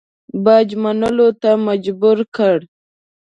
باج منلو ته مجبور کړ.